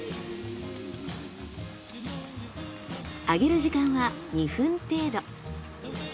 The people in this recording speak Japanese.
揚げる時間は２分程度。